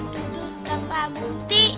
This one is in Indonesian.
duduk tanpa bukti